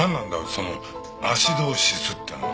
そのアシドーシスっていうのは。